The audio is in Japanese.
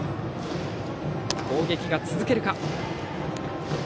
攻撃陣が続けるか。